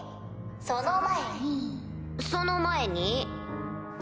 その前に・その前に？